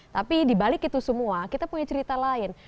tapi dibalik itu semua kita punya cerita lain